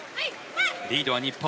リードは日本。